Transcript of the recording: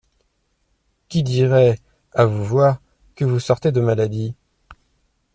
Qui dirait, à vous voir, que vous sortez de maladie ?